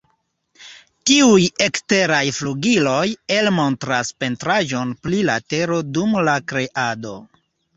Tiuj eksteraj flugiloj, elmontras pentraĵon pri la tero dum la Kreado.